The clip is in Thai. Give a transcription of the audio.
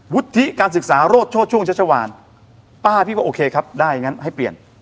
วุฒิการศึกษาโรดโชดช่วงชัชวานป้าพี่ก็โอเคครับได้อย่างนั้นให้เปลี่ยน